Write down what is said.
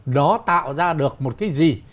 nó tạo ra được một cái gì